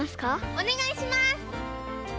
おねがいします！